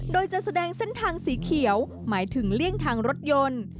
โดยจะแสดงเส้นทางสีเขียวหมายถึงเลี่ยงทางรถยนต์